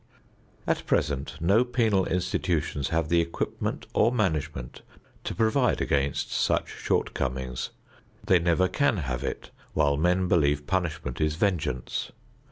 At present no penal institutions have the equipment or management to provide against such shortcomings. They never can have it while men believe punishment is vengeance.